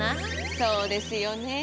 そうですよね。